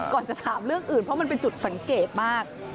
จะถามเรื่องอื่นเพราะมันเป็นจุดสังเกตมาก